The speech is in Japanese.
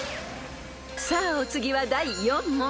［さあお次は第４問］